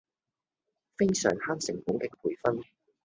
非常慳成本嘅培訓